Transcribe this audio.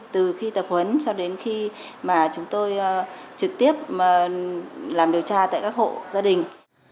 từ khi tập huấn cho đến khi mà chúng tôi trực tiếp làm điều tra tại các hộ gia đình